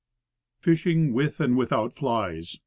FISHING, WITH AND WITHOUT FLIES.